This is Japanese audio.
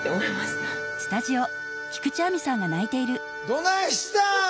どないしたん？